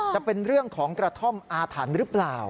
จะเป็นเรื่องของกระท่อมอาถรรพ์หรือเปล่า